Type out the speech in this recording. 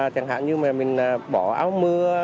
chẳng hạn như mình bỏ áo mưa